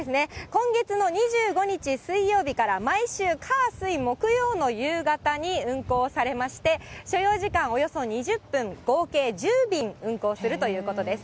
今月の２５日水曜日から、毎週火水木曜日の夕方に運航されまして、所要時間およそ２０分、合計１０便運航するということです。